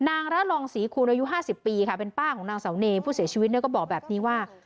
นางระลองศรีคูณอายุ๕๐ปีค่ะเป็นป้าของนางเสาเนผู้เสียชีวิตก็บอกแบบนี้ว่า